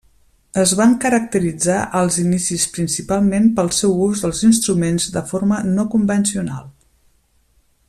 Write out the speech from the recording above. Es van caracteritzar als inicis principalment pel seu ús dels instruments de forma no convencional.